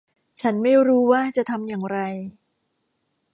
ฉันไม่รู้ว่าจะทำอย่างไร